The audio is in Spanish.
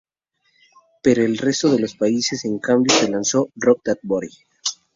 Pero en el resto de países en cambio se lanzó "Rock That Body".